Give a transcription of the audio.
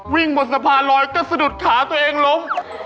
วิ่งบนสะพานลอยก็สะดุดขาตัวเองล้ม